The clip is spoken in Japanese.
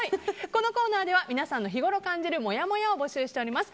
このコーナーでは皆さんが日ごろ感じるもやもやを募集しております。